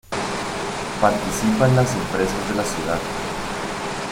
Participan las empresas de la ciudad.